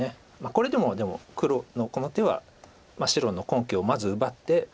これでもでも黒のこの手は白の根拠をまず奪って。